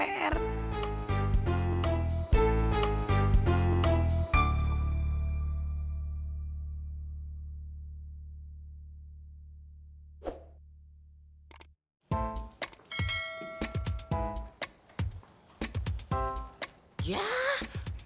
ala lalu lupa siap dua